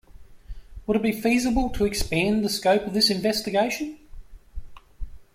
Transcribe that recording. Would it be feasible to expand the scope of this investigation?